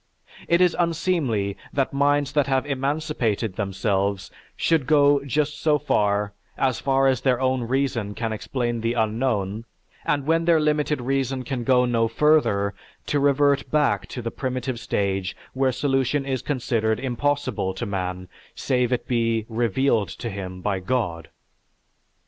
It is unseemly that minds that have emancipated themselves should go just so far as far as their own reason can explain the unknown and when their limited reason can go no further to revert back to the primitive stage where solution is considered impossible to man save it be "revealed to him by God."